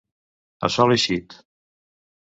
A sol eixit.